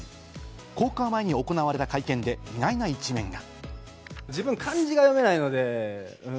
公開前に行われた会見で、意外な一面が。